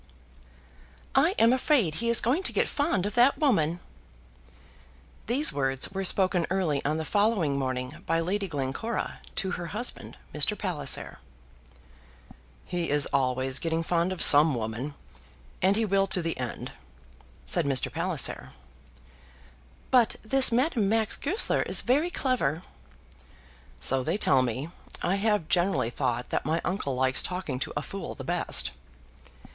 "I am afraid he is going to get fond of that woman." These words were spoken early on the following morning by Lady Glencora to her husband, Mr. Palliser. "He is always getting fond of some woman, and he will to the end," said Mr. Palliser. "But this Madame Max Goesler is very clever." "So they tell me. I have generally thought that my uncle likes talking to a fool the best."